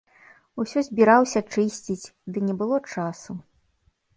Усё збіраўся чысціць, ды не было часу.